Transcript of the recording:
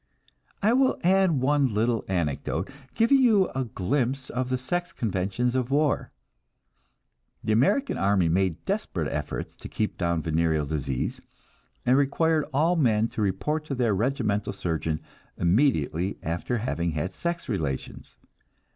I will add one little anecdote, giving you a glimpse of the sex conventions of war. The American army made desperate efforts to keep down venereal disease, and required all men to report to their regimental surgeon immediately after having had sex relations.